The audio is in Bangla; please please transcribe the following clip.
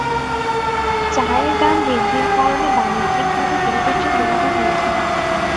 চায়ের দাম বৃদ্ধির কারণে বাণিজ্যিকভাবে চীনের উচ্চ মুনাফা হয়েছিল।